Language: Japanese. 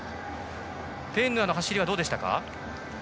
ペーンヌアの走りはどうでしたか？